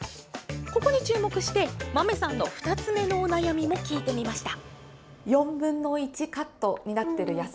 ここに注目して、まめさんの２つ目のお悩みも聞いてみました。